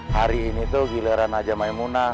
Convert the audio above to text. hari ini tuh giliran aja maimunah